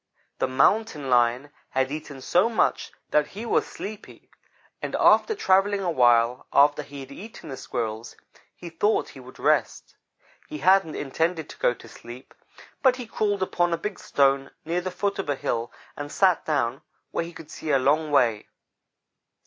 "The Mountain lion had eaten so much that he was sleepy and, after travelling a while after he had eaten the Squirrels, he thought he would rest. He hadn't intended to go to sleep; but he crawled upon a big stone near the foot of a hill and sat down where he could see a long way.